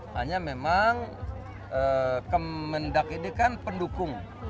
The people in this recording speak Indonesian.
hanya memang kemendak ini kan pendukung